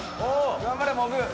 頑張れモグー！